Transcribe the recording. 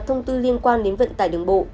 thông tư liên quan đến vận tải đường bộ